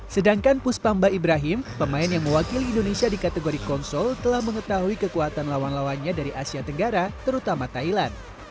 sedangkan puspamba ibrahim pemain yang mewakili indonesia di kategori konsol telah mengetahui kekuatan lawan lawannya dari asia tenggara terutama thailand